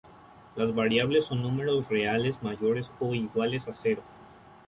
Las variables son números reales mayores o iguales a cero.